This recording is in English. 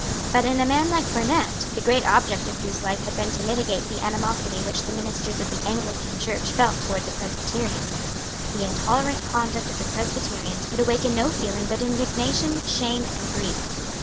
But in a man like Burnet, the great object of whose life had been to mitigate the animosity which the ministers of the Anglican Church felt towards the Presbyterians, the intolerant conduct of the Presbyterians could awaken no feeling but indignation, shame and grief.